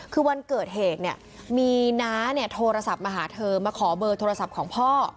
คือวันเกิดเหตุเนี่ยมีน้าเนี่ยโทรศัพท์มาหาเธอมาขอเบอร์โทรศัพท์ของพ่อ